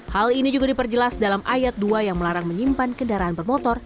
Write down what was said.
hal ini juga diperjelas dalam ayat dua yang melarang menyimpan kendaraan bermotor